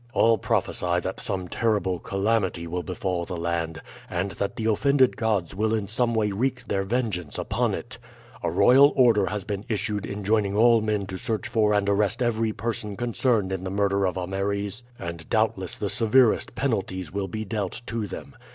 All prophesy that some terrible calamity will befall the land, and that the offended gods will in some way wreak their vengeance upon it. A royal order has been issued enjoining all men to search for and arrest every person concerned in the murder of Ameres, and doubtless the severest penalties will be dealt to them.